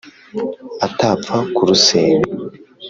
atapfa kurusenya,